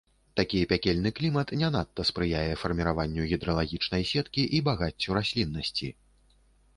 Такі пякельны клімат не надта спрыяе фарміраванню гідраграфічнай сеткі і багаццю расліннасці.